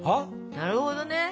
なるほど？